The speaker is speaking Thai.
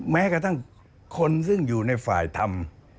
แม้กระทั่งคนซึ่งอยู่ในฝ่ายทำ